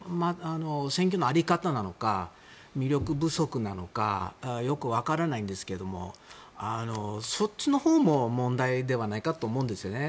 選挙の在り方なのか魅力不足なのかよくわからないんですけどもそっちのほうも問題ではないかと思うんですよね。